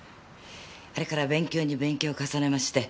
あれから勉強に勉強を重ねまして。